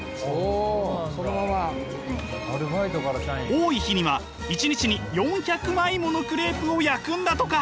多い日には１日に４００枚ものクレープを焼くんだとか。